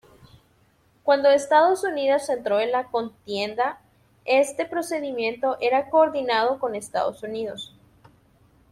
Cuando Estados Unidos entró en la contienda, este procedimiento era coordinado con Estados Unidos.